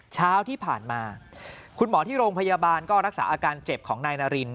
เช้าที่ผ่านมาคุณหมอที่โรงพยาบาลก็รักษาอาการเจ็บของนายนาริน